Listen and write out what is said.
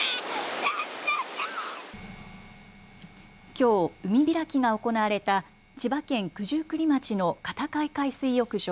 きょう、海開きが行われた千葉県九十九里町の片貝海水浴場。